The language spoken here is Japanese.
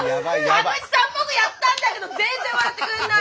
田渕さんっぽくやったんだけど全然笑ってくれない！